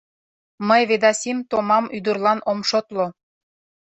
— Мый Ведасим томам ӱдырлан ом шотло.